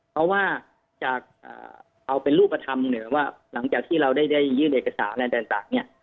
เพราะว่าจากเอาเป็นรูปธรรมเนี่ยว่าหลังจากที่เราได้ยื่นเอกสารอะไรต่างเนี่ย